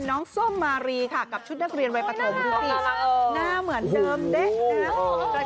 น้องส้มมารีค่ะกับชุดนักเรียนวัยประถมภูมิน่าเหมือนเดิมด้วยครับ